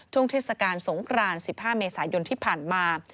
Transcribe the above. เทศกาลสงคราน๑๕เมษายนที่ผ่านมา